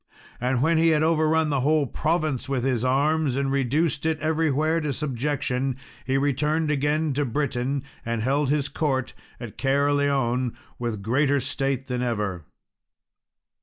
And when he had overrun the whole province with his arms, and reduced it everywhere to subjection, he returned again to Britain, and held his court at Caerleon, with greater state than ever.